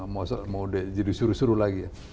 mau jadi suruh suruh lagi ya